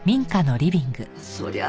そりゃあ